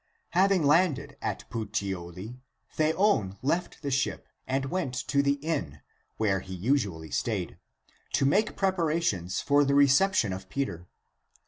Having landed at Puteoli, Theon left the ship and went to the inn, where he usually stayed, to make preparations for the reception of Peter.